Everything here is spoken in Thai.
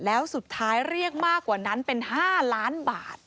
แล้วสุดท้ายเรียกมากกว่านั้นเป็น๕ล้านบาท